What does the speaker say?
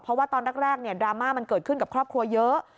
เพราะว่าตอนแรกดราม่ามันเกิดขึ้นกับครอบครัวเยอะ